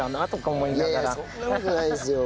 いやいやそんな事ないですよ。